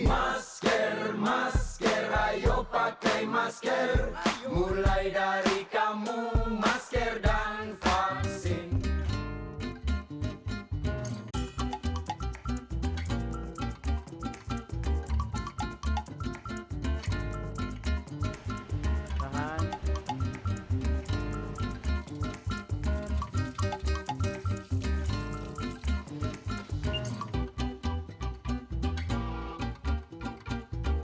masker masker ayo pakai masker mulai dari kamu masker dan vaksin